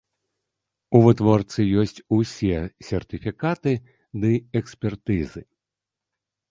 У вытворцы ёсць усе сертыфікаты ды экспертызы.